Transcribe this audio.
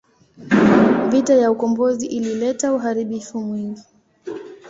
Vita ya ukombozi ilileta uharibifu mwingi.